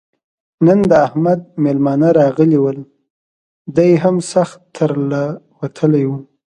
نن د احمد مېلمانه راغلي ول؛ دی هم سخت تر له وتلی وو.